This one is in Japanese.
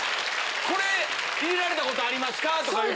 「これ入れられたことありますか？」とか言うて。